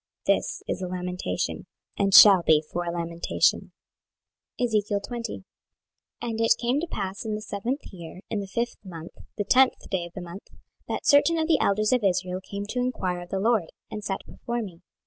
This is a lamentation, and shall be for a lamentation. 26:020:001 And it came to pass in the seventh year, in the fifth month, the tenth day of the month, that certain of the elders of Israel came to enquire of the LORD, and sat before me.